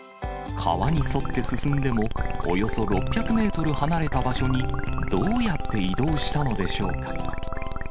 川に沿って進んでも、およそ６００メートル離れた場所にどうやって移動したのでしょうか。